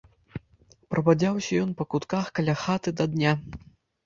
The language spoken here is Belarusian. Прабадзяўся ён па кутках каля хаты да дня.